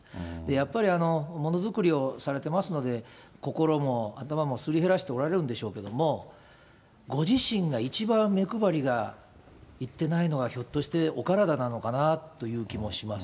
やっぱりものづくりをされてますので、心も頭もすり減らしておられるんでしょうけれども、ご自身が一番目配りがいってないのが、ひょっとしてお体なのかなという気もします。